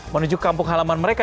menuju kampung halaman mereka